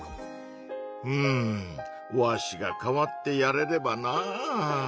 うんわしが代わってやれればなぁ。